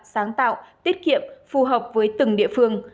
sáng tạo tiết kiệm phù hợp với từng địa phương